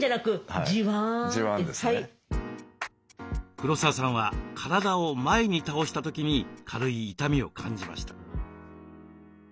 黒沢さんは体を前に倒した時に軽い痛みを感じました。